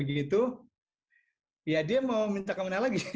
itu ya dia mau minta ke mana lagi